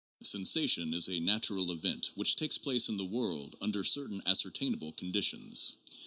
Sensation is a natural event which takes place in the world under certain ascertainable conditions.